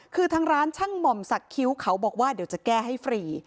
คือทางร้านช่างหม่อมสักคิ้วเขาบอกว่าเดี๋ยวจะแก้ให้ฟรี